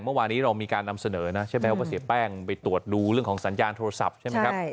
เมื่อวานี้เรามีการนำเสนอนะใช่ไหมว่าเสียแป้งไปตรวจดูเรื่องของสัญญาณโทรศัพท์ใช่ไหมครับ